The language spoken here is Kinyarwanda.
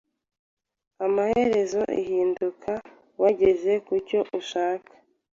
amaherezo ihinduka wageze kucyo ushaka